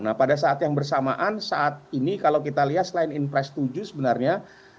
nah pada saat yang bersamaan saat ini kalau kita lihat selain inpres tujuh sebenarnya